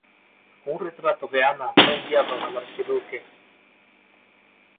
Un retrato de Ana fue enviado al archiduque.